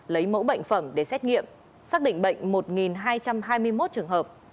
lấy mẫu bệnh phẩm để xét nghiệm xác định bệnh một hai trăm hai mươi một trường hợp